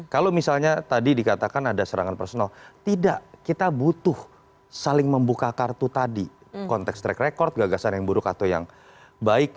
kalau misalnya tadi dikatakan ada serangan personal tidak kita butuh saling membuka kartu tadi konteks track record gagasan yang buruk atau yang baik